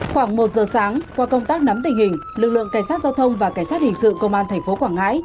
khoảng một giờ sáng qua công tác nắm tình hình lực lượng cảnh sát giao thông và cảnh sát hình sự công an tp quảng ngãi